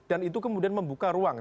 dan itu kemudian membuka ruang